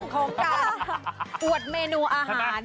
ของการอวดเมนูอาหาร